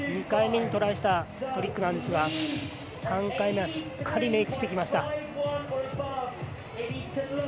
２回目にトライしたトリックなんですが３回目はしっかりメイクしてきました。